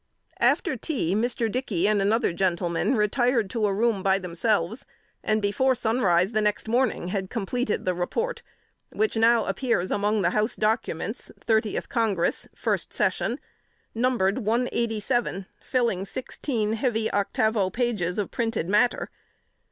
After tea, Mr. Dickey and another gentleman retired to a room by themselves, and before sunrise the next morning, had completed the report, which now appears among the House Documents, Thirtieth Congress, first session, numbered 187, filling sixteen heavy octavo pages of printed matter.